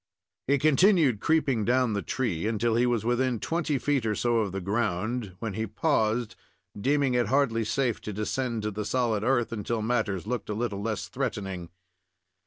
He continued creeping down the tree, until he was within twenty feet or so of the ground, when he paused, deeming it hardly safe to descend to the solid earth until matters looked a little less threatening.